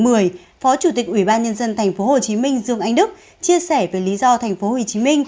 phó chủ tịch ủy ban nhân dân tp hcm dương anh đức chia sẻ về lý do tp hcm